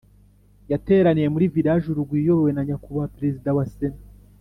Yateraniye muri village urugwiro iyobowe na nyakubahwa perezida wa sena